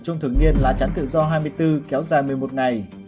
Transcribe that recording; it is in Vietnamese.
trung thường nghiên lá chắn tự do hai mươi bốn kéo dài một mươi một ngày